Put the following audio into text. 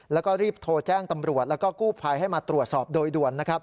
แล้วก็รีบโทรแจ้งตำรวจแล้วก็กู้ภัยให้มาตรวจสอบโดยด่วนนะครับ